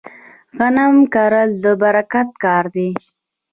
غنم کرل د برکت کار دی.